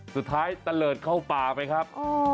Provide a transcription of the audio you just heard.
สุดท้ายทันเลิศเข้าป่าไปครับ